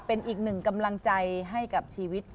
เป็นอีกหนึ่งกำลังใจให้กับชีวิต